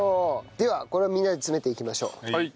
ではこれみんなで詰めていきましょう。